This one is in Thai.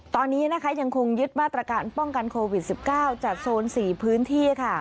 ตอนนี้ยังคงยึดมาตรการป้องกันโควิด๑๙จากโซน๔พื้นที่